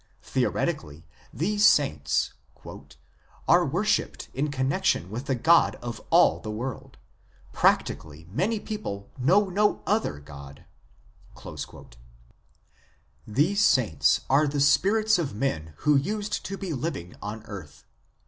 Theoretically these saints " are worshipped in connexion with the God of all the world ; practically many people know no other god." 8 These saints are the spirits of men who used to be living on earth.